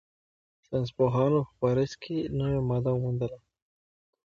ساینسپوهانو په پاریس کې نوې ماده وموندله.